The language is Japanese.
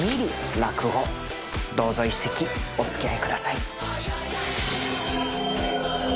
落語どうぞ一席おつきあい下さい。